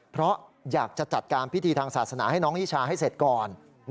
เพราะอยากจะจัดการพิธีทางศาสนาให้น้องนิชาให้เสร็จก่อน